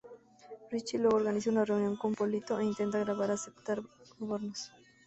Richie luego organiza una reunión con Polito e intenta grabar aceptar sobornos.